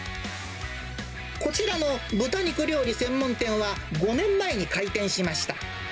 こちらの豚肉料理専門店は、５年前に開店しました。